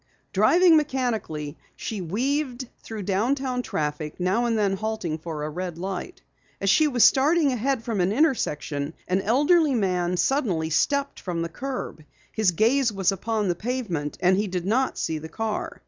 Driving mechanically, she weaved through downtown traffic, now and then halting for a red light. As she was starting ahead from an intersection, an elderly man suddenly stepped from the curb. His gaze was upon the pavement, and he did not see the car.